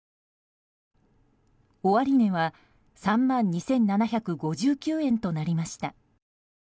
終値は３万２７５９円となりました。